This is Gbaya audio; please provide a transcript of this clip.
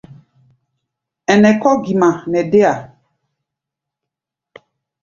Ɛnɛ kɔ̧́ gima nɛ déa.